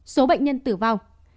số bệnh nhân tử vong